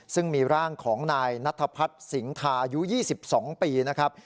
ซึ่งมีร่างของนายนัทพัฒน์สิงทาอายุ๒๒ปีนะครับ